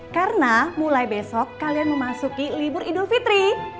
karena mulai besok kalian memasuki libur idul fitri